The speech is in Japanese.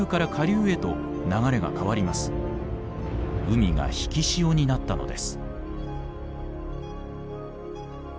海が引き潮になったのです。